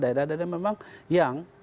daerah daerah memang yang